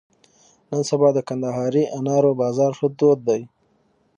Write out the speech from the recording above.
نن سبا د کندهاري انارو بازار ښه تود دی.